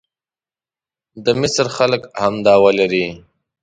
د مصر خلک هم دعوه لري.